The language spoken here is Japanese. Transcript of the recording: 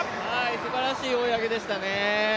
すばらしい追い上げでしたね。